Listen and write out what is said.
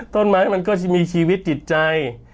ต้นไม้มันก็จะมีชีวิตจิตใจ